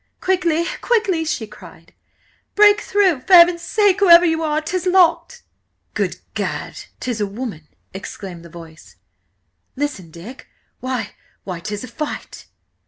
"Quickly, quickly!" she cried. "Break through, for heaven's sake, whoever you are! 'Tis locked!" "Good Gad! 'tis a woman!" exclaimed the voice. "Listen, Dick!–why–why–'tis a fight!"